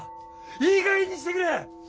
いいかげんにしてくれ！